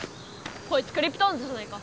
こいつクリプトオンズじゃないか。